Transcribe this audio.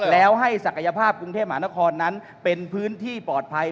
แล้วให้ศักยภาพกรุงเทพมหานครนั้นเป็นพื้นที่ปลอดภัย